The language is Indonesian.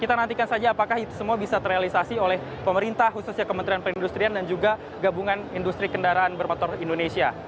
kita nantikan saja apakah itu semua bisa terrealisasi oleh pemerintah khususnya kementerian perindustrian dan juga gabungan industri kendaraan bermotor indonesia